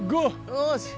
よし。